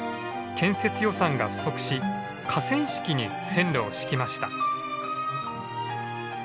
建設予算が不足し河川敷に線路を敷きました。